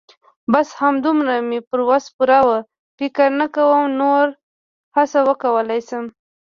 بس همدومره مې پر وس پوره وه. فکر نه کوم نور څه وکولای شم.